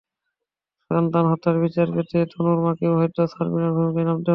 সন্তান হত্যার বিচার পেতে তনুর মাকেও হয়তো সাব্রিনার ভূমিকায় নামতে হবে।